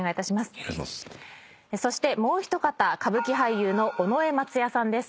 そしてもう一方歌舞伎俳優の尾上松也さんです。